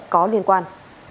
có liên quan